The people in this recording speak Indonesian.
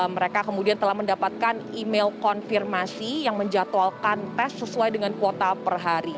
mereka kemudian telah mendapatkan email konfirmasi yang menjatuhkan tes sesuai dengan kuota per hari